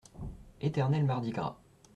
Éternel mardi gras.